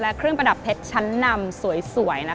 และเครื่องประดับเพชรชั้นนำสวย